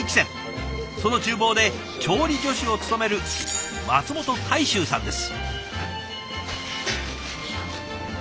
その厨房で調理助手を務める松本大周さんです。